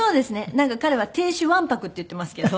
なんか彼は亭主わんぱくって言ってますけど。